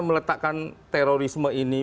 meletakkan terorisme ini